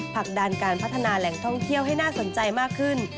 ผลักดันการพัฒนาแหล่งท่องเที่ยวให้น่าสนใจมากขึ้น